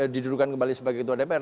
didudukan kembali sebagai ketua dpr